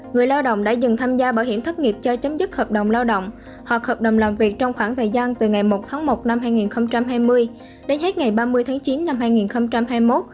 người lao động đã dừng tham gia bảo hiểm thất nghiệp cho chấm dứt hợp đồng lao động hoặc hợp đồng làm việc trong khoảng thời gian từ ngày một tháng một năm hai nghìn hai mươi đến hết ngày ba mươi tháng chín năm hai nghìn hai mươi một